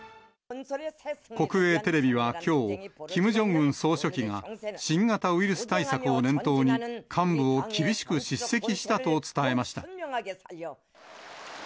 国営テレビはきょう、キム・ジョンウン総書記が、新型ウイルス対策を念頭に、幹部を厳しく叱責したと伝えました。